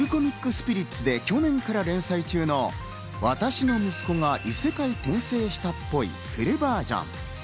スピリッツで去年から連載中の『私の息子が異世界転生したっぽいフルｖｅｒ．』。